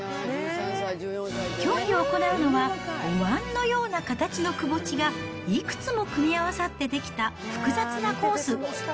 競技を行うのは、おわんのような形のくぼ地がいくつも組み合わさって出来た複雑なコース。